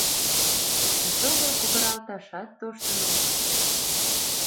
Эсогыл кокыралташат тоштын огытыл.